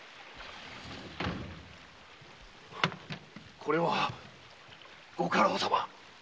これはご家老様！